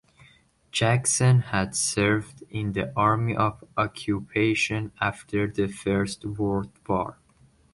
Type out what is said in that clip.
Jackson had served in the Army of Occupation after the First World War.